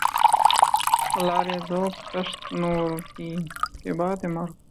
اللہ رے ذوقِ دشت نوردی! کہ بعدِ مرگ